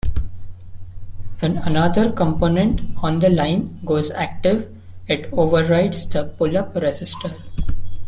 When another component on the line goes active, it overrides the pull-up resistor.